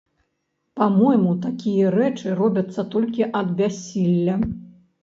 Па-мойму, такія рэчы робяцца толькі ад бяссілля.